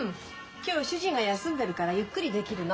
今日主人が休んでるからゆっくりできるの。